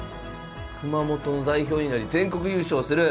「熊本の代表になり全国優勝する」。